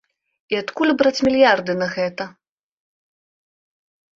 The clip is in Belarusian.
І адкуль браць мільярды на гэта.